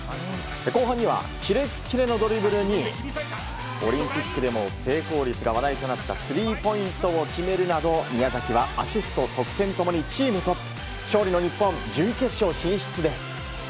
後半にはキレッキレのドリブルにオリンピックでも成功率が話題となったスリーポイントを決めるなど宮崎はアシスト、得点共にチームトップ。